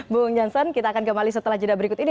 bu weng jansan kita akan kembali setelah jeda berikut ini